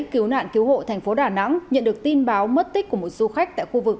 cứu nạn cứu hộ thành phố đà nẵng nhận được tin báo mất tích của một du khách tại khu vực